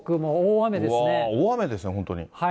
わー、大雨ですね、本当に。